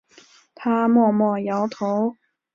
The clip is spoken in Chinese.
他默默摇头